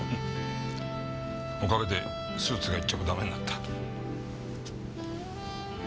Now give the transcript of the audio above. おかげでスーツが１着ダメになった。